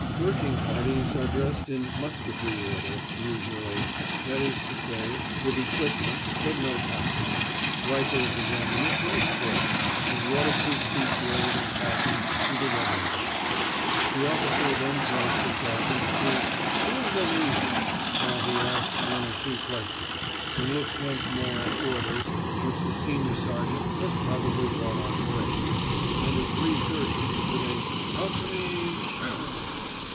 Working parties are dressed in "musketry order" usually that is to say, with equipment, but no packs; rifles and ammunition, of course, and waterproof sheets rolled and fastened to the webbing belt. The officer then tells the sergeant to "stand them easy," while he asks one or two questions, and looks once more at "orders" which the senior sergeant has probably brought on parade, and at 3.30, with a "Company Shern!